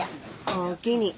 おおきに。